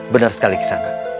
benar sekali kisanak